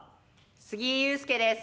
杉井勇介です。